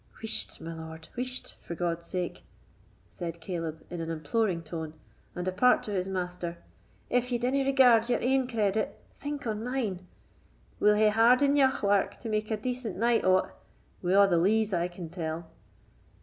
"Whisht, my lord—whisht, for God's sake," said Caleb, in an imploring tone, and apart to his master; "if ye dinna regard your ain credit, think on mine; we'll hae hard eneugh wark to make a decent night o't, wi' a' the lees I can tell."